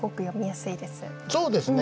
そうですね。